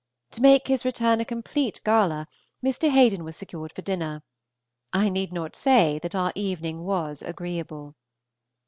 To make his return a complete gala, Mr. Haden was secured for dinner. I need not say that our evening was agreeable.